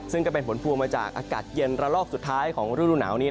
ซึ่งก็เป็นผลพวงมาจากอากาศเย็นระลอกสุดท้ายของฤดูหนาวนี้